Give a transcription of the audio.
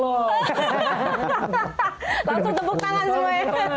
langsung tepuk tangan semuanya